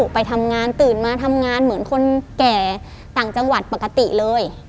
ไปทำงานตื่นมาทำงานเหมือนคนแก่ต่างจังหวัดปกติเลย